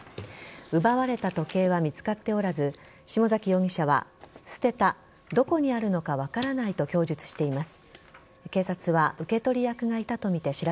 奪われた時計は見つかっておらず下崎容疑者は、捨てたどこにあるのか分からないと供述しています。